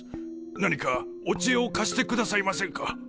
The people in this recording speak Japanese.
何かお知恵を貸してくださいませんか。